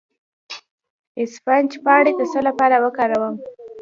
د اسفناج پاڼې د څه لپاره وکاروم؟